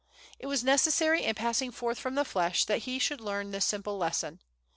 It was necessary, in passing forth from the flesh, that he should learn this simple lesson.